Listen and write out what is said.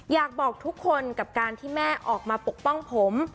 อยากบอกทุกคนกับการที่แม่ออกมาปกป้องผม